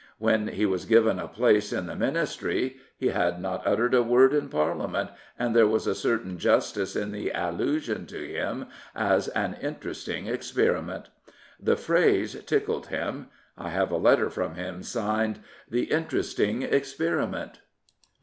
When he was given a place in the Ministry he had not uttered a word in Parliament, and there was a certain justice in the allusion to him as " an interesting experiment." The phrase tickled him. I have a letter from him signed " The Interest ing Experiment."